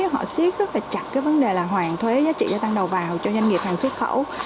họ siết rất là chặt cái vấn đề là hoàn thuế giá trị gia tăng đầu vào cho doanh nghiệp hàng xuất khẩu